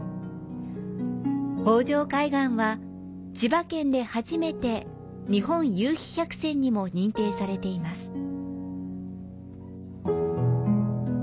北条海岸は、千葉県で初めて「日本夕陽百選」にも認定されています。